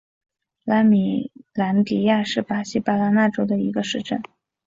拉米兰迪亚是巴西巴拉那州的一个市镇。